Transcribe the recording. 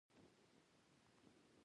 د همدې ځواک له امله تمدن دوام کوي.